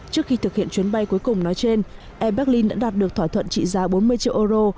trước khi thực hiện chuyến bay cuối cùng nói trên air berlin đã đạt được thỏa thuận trị giá bốn mươi triệu euro